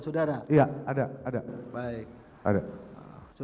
saudara kaca pihak dapatis baja apayasamu